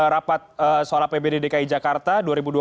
rapat soal apbd dki jakarta dua ribu dua puluh